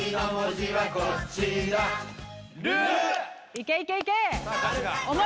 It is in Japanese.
いけいけいけー！